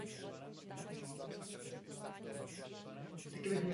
Bělorusové potřebují víza, aby mohli cestovat.